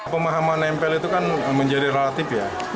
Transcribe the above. pemahaman nempel itu kan menjadi relatif ya